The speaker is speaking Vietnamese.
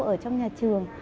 ở trong nhà trường